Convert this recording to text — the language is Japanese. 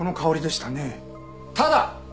ただ！